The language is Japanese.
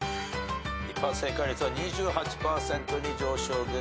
一般正解率は２８％に上昇です。